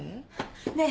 ねえ。